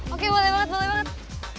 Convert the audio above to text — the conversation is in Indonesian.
oke boleh banget boleh banget